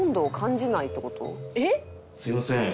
すいません。